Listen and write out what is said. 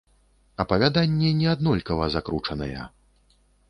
Апавяданні не аднолькава закручаныя.